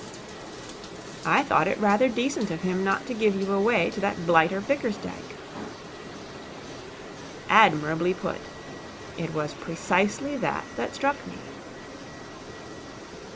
'I thought it rather decent of him not to give you away to that blighter Bickersdyke.' 'Admirably put. It was precisely that that struck me.